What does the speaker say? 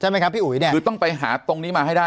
ไหมครับพี่อุ๋ยเนี่ยคือต้องไปหาตรงนี้มาให้ได้